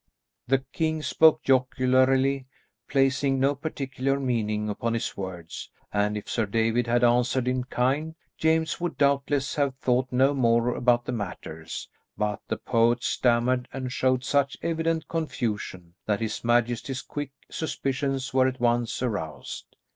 The king spoke jocularly, placing no particular meaning upon his words, and if Sir David had answered in kind, James would doubtless have thought no more about the matter, but the poet stammered and showed such evident confusion that his majesty's quick suspicions were at once aroused.